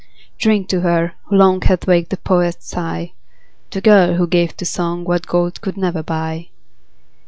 Drink to her, who long, Hath waked the poet's sigh. The girl, who gave to song What gold could never buy.